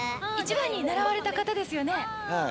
１番に並ばれた方ですよね？